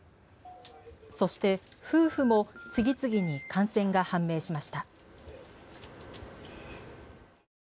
そして、夫婦も次々に感染が判明しました。